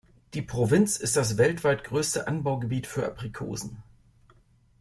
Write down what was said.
Die Provinz ist das weltweit größte Anbaugebiet für Aprikosen.